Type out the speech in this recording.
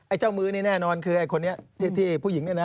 เจ้ามือนี่แน่นอนคือไอ้คนนี้ที่ผู้หญิงเนี่ยนะ